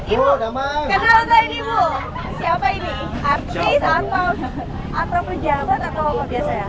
ibu kenal tadi ibu siapa ini artis atau pejabat atau apa biasa ya